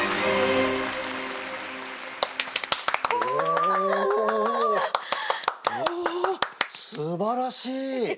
あすばらしい！